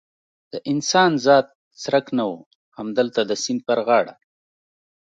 د انسان ذات څرک نه و، همدلته د سیند پر غاړه.